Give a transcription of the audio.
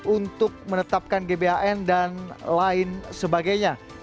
untuk menetapkan gbhn dan lain sebagainya